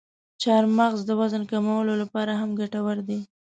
چارمغز د وزن کمولو لپاره هم ګټور دی.